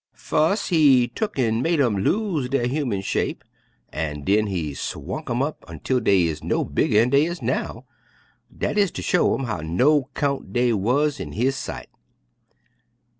Fus' He tuck an' made 'em lose der human shape an' den He swunk 'em up ontwel dey 'z no bigger'n dey is now, dat 'uz ter show 'em how no kyount dey wuz in His sight.